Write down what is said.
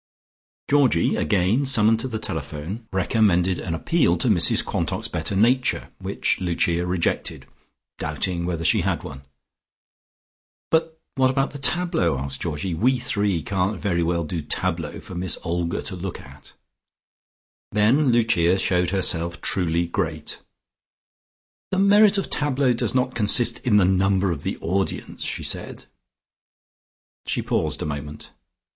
Georgie, again summoned to the telephone, recommended an appeal to Mrs Quantock's better nature, which Lucia rejected, doubting whether she had one. "But what about the tableaux?" asked Georgie. "We three can't very well do tableaux for Miss Olga to look at." Then Lucia showed herself truly great. "The merit of the tableaux does not consist in the number of the audience," she said. She paused a moment.